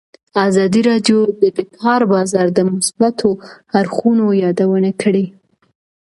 ازادي راډیو د د کار بازار د مثبتو اړخونو یادونه کړې.